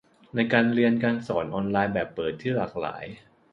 ในการเรียนการสอนออนไลน์แบบเปิดที่หลากหลาย